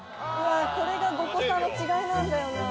これが５個差の違いなんだよな。